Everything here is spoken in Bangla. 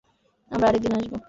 আমরা আরেকদিন আসবো।